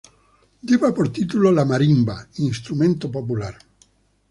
Lleva por título, “La Marimba, instrumento popular.